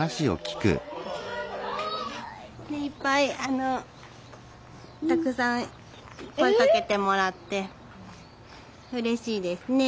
いっぱいたくさん声かけてもらってうれしいですね。